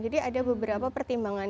jadi ada beberapa pertimbangan